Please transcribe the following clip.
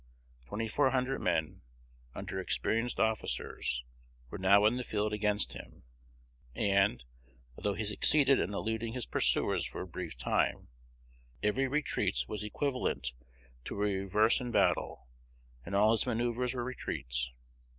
Twenty four hundred men, under experienced officers, were now in the field against him; and, although he succeeded in eluding his pursuers for a brief time, every retreat was equivalent to a reverse in battle, and all his manoeuvres were retreats.